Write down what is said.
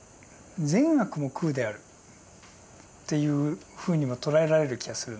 「善悪も空である」っていうふうにも捉えられる気がするんです。